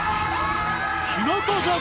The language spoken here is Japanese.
日向坂